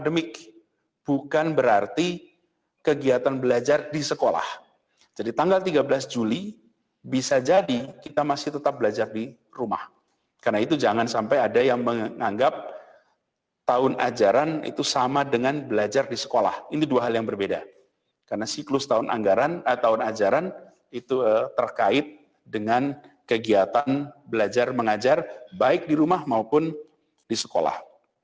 dengan kegiatan belajar mengajar baik di rumah maupun di sekolah